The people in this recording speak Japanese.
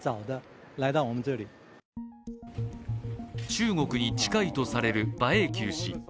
中国に近いとされる馬英九氏。